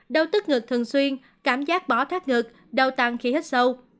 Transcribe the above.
đau tức ngực thường xuyên cảm giác bỏ thác ngực đau tăng khi hít sâu